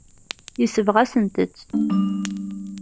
Yesbeɣ-asent-t.